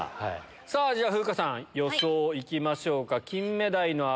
さぁ風花さん予想行きましょうか。